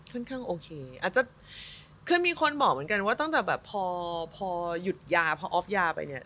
โอเคอาจจะคือมีคนบอกเหมือนกันว่าตั้งแต่แบบพอพอหยุดยาพอออฟยาไปเนี่ย